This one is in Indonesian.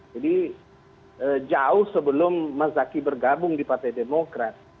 jadi jauh sebelum mas zaky bergabung di partai demokrat